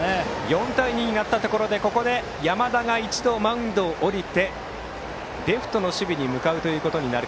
４対２になったところで山田が一度マウンドを降りてレフトの守備に向かうか。